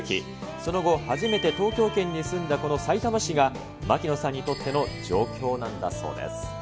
その後、初めて東京圏に住んだこのさいたま市が、槙野さんにとっての上京なんだそうです。